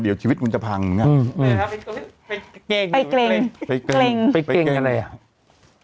เดี๋ยวชีวิตคุณจะพังอืมอืมไปเกรงไปเกรงไปเกรงไปเกรงอะไรอ่ะ